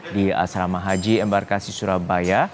di asrama haji embarkasi surabaya